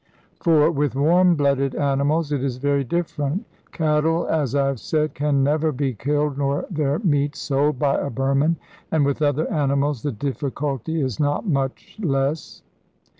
For with warm blooded animals it is very different. Cattle, as I have said, can never be killed nor their meat sold by a Burman, and with other animals the difficulty is not much less.